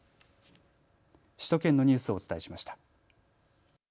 首都圏のニュースをお伝えしました。